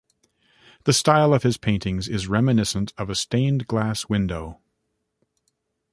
The style of his paintings is reminiscent of a stained glass window.